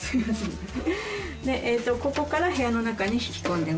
ここから部屋の中に引き込んでます。